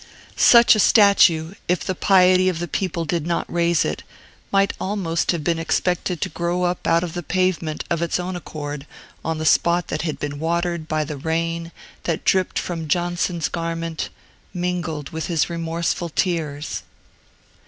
Such a statue, if the piety of the people did not raise it, might almost have been expected to grow up out of the pavement of its own accord on the spot that had been watered by the rain that dripped from Johnson's garments, mingled with his remorseful tears.